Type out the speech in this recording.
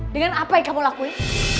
dengan apa yang kamu lakuin